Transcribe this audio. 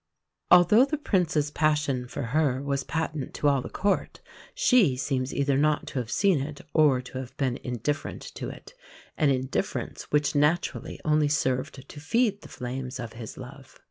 Although the Prince's passion for her was patent to all the Court, she seems either not to have seen it or to have been indifferent to it an indifference which naturally only served to feed the flames of his love.